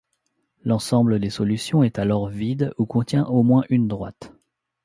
L'ensemble des solutions est alors vide ou contient au moins une droite.